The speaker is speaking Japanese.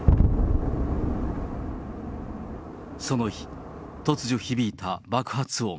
その日、突如響いた爆発音。